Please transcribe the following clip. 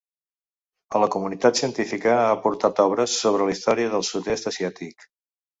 A la comunitat científica ha aportat obres sobre la història del sud-est asiàtic.